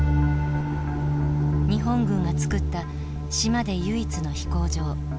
日本軍がつくった島で唯一の飛行場。